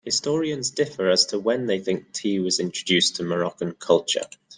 Historians differ as to when they think tea was introduced to Moroccan culture.